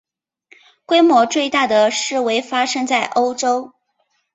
规模最大的示威发生在欧洲。